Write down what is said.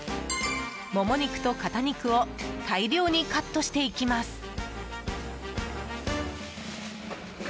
モモ肉と肩肉を大量にカットしていきます。